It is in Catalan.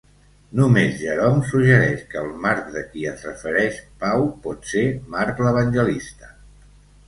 Només Jerome suggereix que el Marc de qui es refereix Pau pot ser Marc l'evangelista.